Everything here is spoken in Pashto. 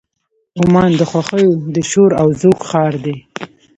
عمان د خوښیو د شور او زوږ ښار دی.